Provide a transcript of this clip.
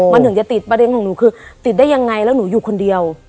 มันถึงจะติดประเด็นของหนูคือติดได้ยังไงแล้วหนูอยู่คนเดียว